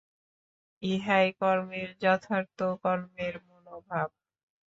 ইহাই কর্মের যথার্থ কর্মের মনোভাব।